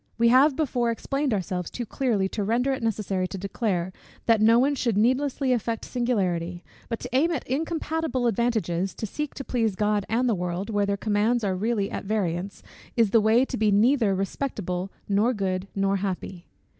We have before explained ourselves too clearly to render it necessary to declare, that no one should needlessly affect singularity: but to aim at incompatible advantages, to seek to please God and the world, where their commands are really at variance, is the way to be neither respectable, nor good, nor happy.